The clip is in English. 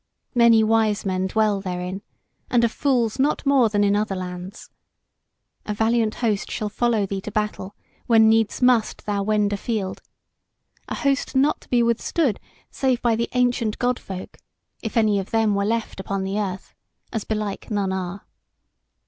Many wise men dwell therein, and of fools not more than in other lands. A valiant host shall follow thee to battle when needs must thou wend afield; an host not to be withstood, save by the ancient God folk, if any of them were left upon the earth, as belike none are.